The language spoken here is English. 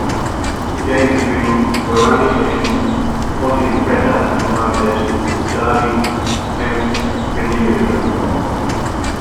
The games between Guarani and Ponte Preta are known as Derby Campineiro.